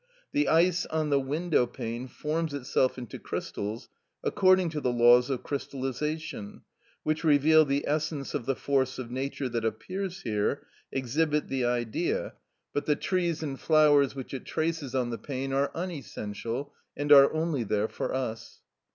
The ice on the window pane forms itself into crystals according to the laws of crystallisation, which reveal the essence of the force of nature that appears here, exhibit the Idea; but the trees and flowers which it traces on the pane are unessential, and are only there for us.